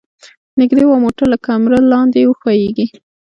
نږدې و موټر له کمره لاندې وښویيږي.